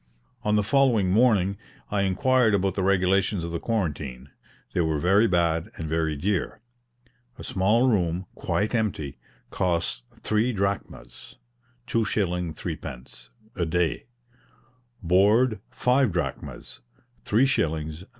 On the following morning I inquired about the regulations of the quarantine they were very bad and very dear. A small room, quite empty, cost three drachmas (2s. 3d.) a day; board, five drachmas (3s.